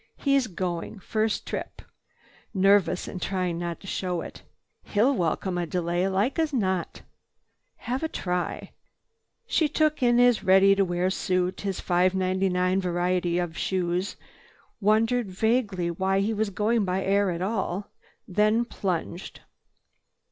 "He's going. First trip. Nervous, and trying not to show it. He'll welcome a delay, like as not. Have to try." She took in his ready to wear suit, his $5.99 variety of shoes, wondered vaguely why he was going by air at all, then plunged.